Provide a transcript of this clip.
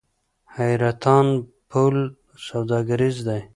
حیرتان پل سوداګریز دی؟